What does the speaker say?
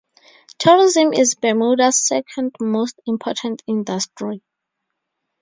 Tourism is Bermuda's second most important industry.